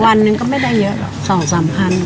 วันนึงก็ไม่ได้เยอะ๒๓พัน